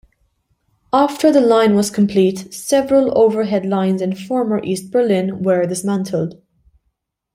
After the line was complete, several overhead lines in former East Berlin were dismantled.